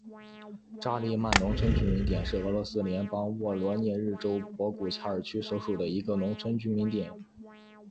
扎利曼农村居民点是俄罗斯联邦沃罗涅日州博古恰尔区所属的一个农村居民点。